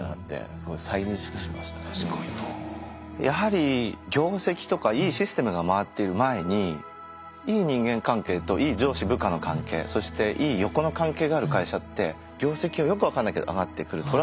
やはり業績とかいいシステムが回っている前にいい人間関係といい上司・部下の関係そしていい横の関係がある会社って業績はよく分かんないけど上がってくる。